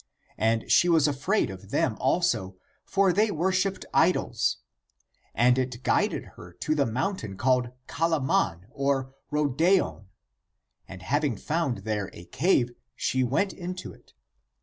And she was afraid of them also, for they worshipped idols. And it guided her to the mountain called Calaman or Rhodeon ; and having found there a cave, she went into it.